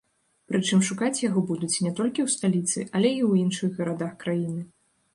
Прычым шукаць яго будуць не толькі ў сталіцы, але і ў іншых гарадах краіны.